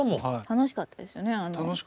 楽しかったですね。